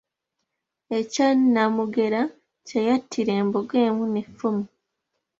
E Kyannamugera, gye yattira embogo emu n'effumu.